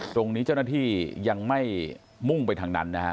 ตรงนี้เจ้าหน้าที่ยังไม่มุ่งไปทางนั้นนะฮะ